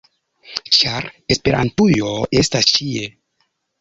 ĉar Esperantujo estas ĉie!